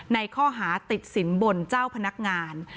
ในข้อหาติดสินบนเจ้าพนักงาน